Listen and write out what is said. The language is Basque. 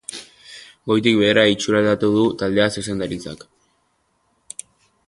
Goitik behera itxuraldatu du taldea zuzendaritzak.